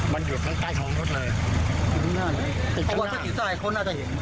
มันอยู่ข้างใต้ท้องรถเลยน่าจะเห็น